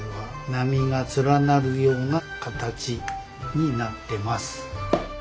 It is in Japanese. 波が連なるような形になってます。